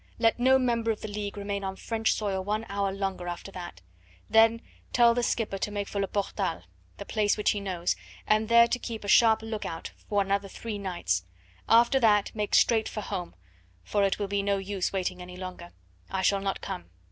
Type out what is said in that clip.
Let no member of the League remain on French soil one hour longer after that. Then tell the skipper to make for Le Portel the place which he knows and there to keep a sharp outlook for another three nights. After that make straight for home, for it will be no use waiting any longer. I shall not come.